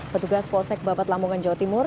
petugas polsek babat lamongan jawa timur